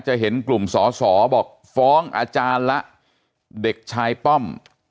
เห็นกลุ่มสอสอบอกฟ้องอาจารย์ละเด็กชายป้อม